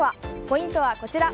ポイントはこちら。